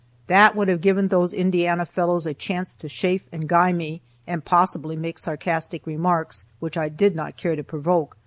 That would have given those Indiana fellows a chance to chaff and guy me, and possibly make sarcastic remarks, which I did not care to provoke.